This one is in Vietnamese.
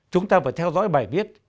chúng ta phải theo dõi bài viết